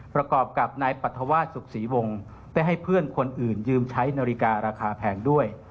ประกอบกับนายปรัฐวาสสุขศรีวงศ์ได้ให้เพื่อนคนอื่นยืมใช้นาฬิการาคาแพงด้วย